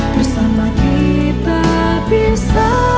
bersama kita bisa